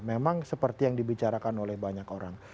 memang seperti yang dibicarakan oleh banyak orang